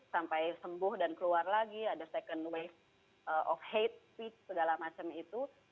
sampai sembuh dan keluar lagi ada second wave of hate feed segala macam itu